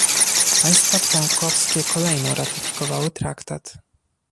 Państwa członkowskie kolejno ratyfikowały traktat